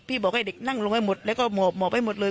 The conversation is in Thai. บอกให้เด็กนั่งลงให้หมดแล้วก็หมอบหมอบให้หมดเลย